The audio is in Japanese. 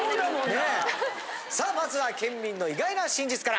さあまずは県民の意外な真実から。